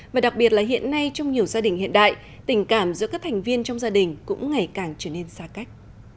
và đặc biệt là hiện nay trong nhiều gia đình hiện đại tình cảm giữa các thành viên trong gia đình cũng ngày càng trở nên xa cách